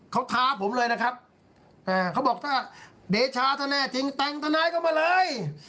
เขาท้าผมเลยนะครับเขาบอกถ้าเดชาถ้าแน่จริงแต่งทนายเข้ามาเลย